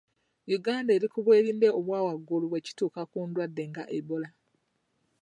Uganda eri ku bwerinde obwawaggulu bwe kituuka ku ndwadde nga Ebola.